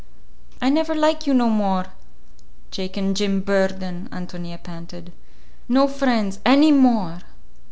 "I never like you no more, Jake and Jim Burden," Ántonia panted. "No friends any more!"